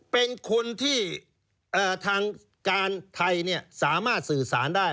เป็นคนที่ทางการไทยสามารถสื่อสารได้